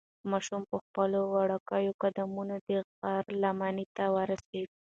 ماشوم په خپلو وړوکو قدمونو د غره لمنې ته ورسېد.